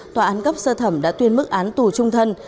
tòa án cấp sơ thẩm đã tuyên mức án tù trung thân